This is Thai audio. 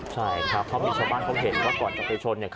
ใช่ครับเขามีชาวบ้านเขาเห็นว่าก่อนจะไปชน